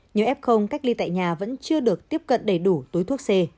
nhiều ép không cách ly tại nhà vẫn chưa được tiếp cận đầy đủ túi thuốc c